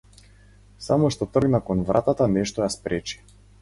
Само што тргна кон вратата нешто ја спречи.